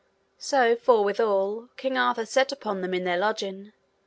So forthwithal King Arthur set upon them in their lodging.